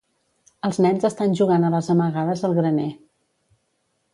Els nens estan jugant a les amagades al graner.